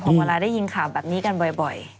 พอเวลาได้ยินข่าวแบบนี้กันบ่อย